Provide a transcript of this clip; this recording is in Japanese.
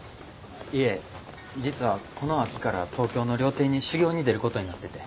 いえ実はこの秋から東京の料亭に修業に出る事になってて。